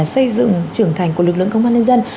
xây dựng trưởng thành của lực lượng công an nhân dân